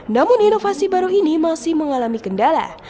namun inovasi baru ini masih mengalami kendala